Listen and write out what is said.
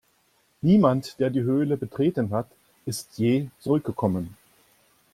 Niemand, der die Höhle betreten hat, ist je zurückgekommen.